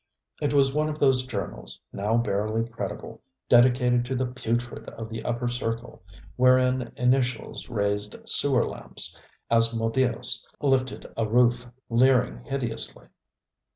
It was one of those journals, now barely credible, dedicated to the putrid of the upper circle, wherein initials raised sewer lamps, and Asmodeus lifted a roof, leering hideously.